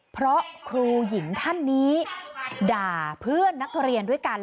เพราะครูหญิงท่านนี้ด่าเพื่อนนักเรียนด้วยกัน